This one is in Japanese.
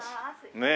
ねえ。